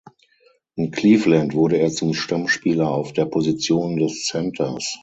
In Cleveland wurde er zum Stammspieler auf der Position des Centers.